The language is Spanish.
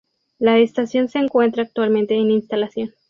La estación se encuentra actualmente en instalación.